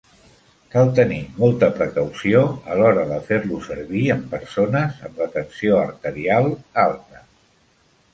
Cal tenir molta precaució a l'hora de fer-lo servir en persones amb la tensió arterial alta.